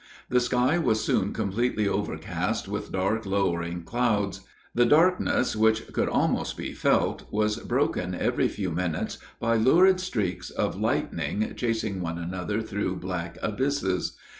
The sky was soon completely overcast with dark lowering clouds; the darkness, which could almost be felt, was broken every few minutes by lurid streaks of lightning chasing one another through black abysses.